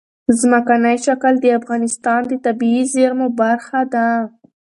ځمکنی شکل د افغانستان د طبیعي زیرمو برخه ده.